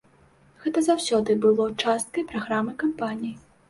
Гэта заўсёды было часткай праграмы кампаніі.